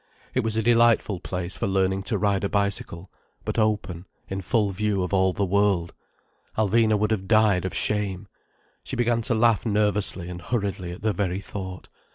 It was a delightful place for learning to ride a bicycle, but open in full view of all the world. Alvina would have died of shame. She began to laugh nervously and hurriedly at the very thought.